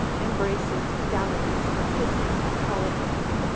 embracing, dalliance, kissing, colling, &c.